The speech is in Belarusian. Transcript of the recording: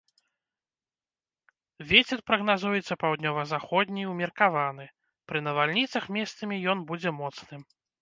Вецер прагназуецца паўднёва-заходні, умеркаваны, пры навальніцах месцамі ён будзе моцным.